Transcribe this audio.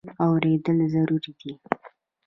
اورېدل ضروري دی.